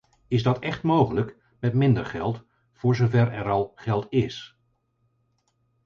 Is dat echt mogelijk met minder geld, voor zover er al geld is?